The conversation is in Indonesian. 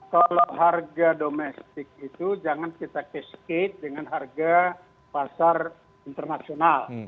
kalau harga domestik itu jangan kita cascate dengan harga pasar internasional